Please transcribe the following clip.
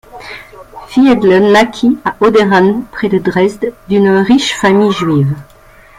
Fiedler naquit à Oederan, près de Dresde, d'une riche famille juive.